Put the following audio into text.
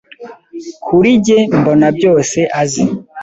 Kuri njye mbona byose azi.